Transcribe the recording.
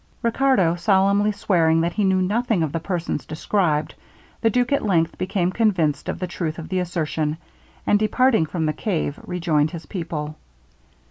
Riccardo solemnly swearing that he knew nothing of the persons described, the duke at length became convinced of the truth of the assertion, and departing from the cave, rejoined his people.